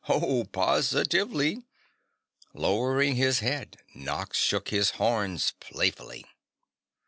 Oh, positively!" Lowering his head Nox shook his horns playfully.